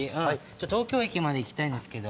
東京駅まで行きたいんですけど。